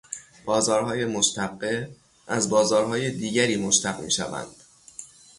بازارهای مشتقه، از بازارهای دیگری مشتق میشوند